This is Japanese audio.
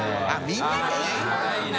△みんなでね。